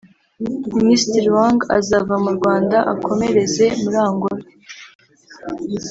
Minisitiri Wang azava mu Rwanda akomereza muri Angola